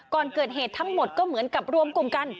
ก่อนเกิดเหตุทั้งหมดก็เหมือนกับรวมกลุ่มกัน